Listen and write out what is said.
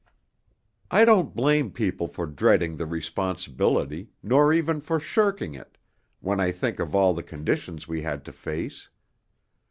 "I don't blame people for dreading the responsibility, nor even for shirking it, when I think of all the conditions we had to face.